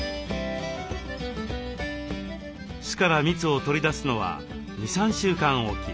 巣から蜜を取り出すのは２３週間おき。